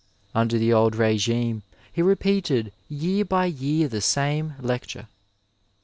Under the old r^bne he repeated year by year the same lecture.